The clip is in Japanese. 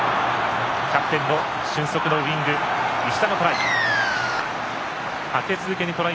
キャプテンの俊足のウイング石田のトライ。